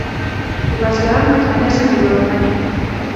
د بزګرانو اتحادیه څنګه جوړه کړم؟